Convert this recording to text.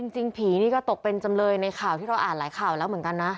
จริงผีนี่ก็ตกเป็นจำเลยในข่าวที่เราอ่านหลายข่าวแล้วเหมือนกันนะ